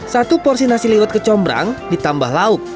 satu porsi nasi liwet kecombrang ditambah lauk